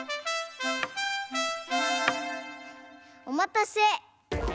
おまたせ。